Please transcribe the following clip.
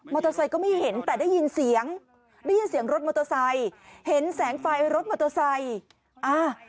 เตอร์ไซค์ก็ไม่เห็นแต่ได้ยินเสียงได้ยินเสียงรถมอเตอร์ไซค์เห็นแสงไฟรถมอเตอร์ไซค์อ่า